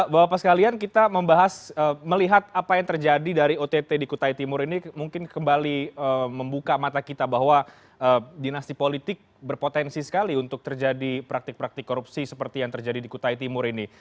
bapak bapak sekalian kita membahas melihat apa yang terjadi dari ott di kutai timur ini mungkin kembali membuka mata kita bahwa dinasti politik berpotensi sekali untuk terjadi praktik praktik korupsi seperti yang terjadi di kutai timur ini